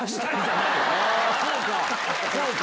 そうか！